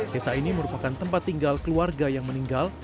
desa ini merupakan tempat tinggal keluarga yang meninggal